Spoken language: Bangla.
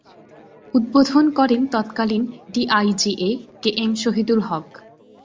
উদ্বোধন করেন তৎকালীন D I G A K M Shahidul Haque.